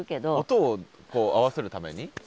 音を合わせるために？